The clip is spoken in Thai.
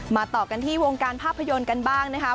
ต่อกันที่วงการภาพยนตร์กันบ้างนะครับ